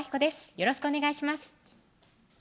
よろしくお願いします